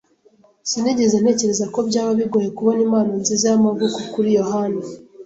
Sinigeze ntekereza ko byaba bigoye kubona impano nziza y'amavuko kuri yohani.